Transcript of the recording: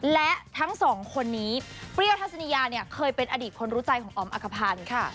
และทั้งสองคนนี้เปรี้ยวทัศนียาเนี่ยเคยเป็นอดีตคนรู้ใจของอ๋อมอักภัณฑ์ค่ะ